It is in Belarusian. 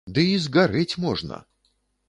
Ды і згарэць можна!